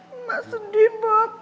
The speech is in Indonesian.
emak sedih bob